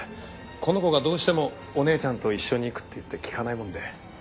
この子がどうしてもお姉ちゃんと一緒に行くって言って聞かないもので。